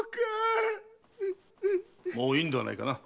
もういいんではないかな？